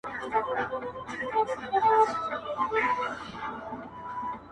نیم وجود دي په زړو جامو کي پټ دی-!